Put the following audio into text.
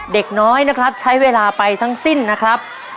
เด็กน้อยนะครับใช้เวลาไปทั้งสิ้นนะครับ